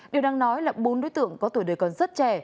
điều đang nói là bốn đối tượng có tuổi đời còn rất trẻ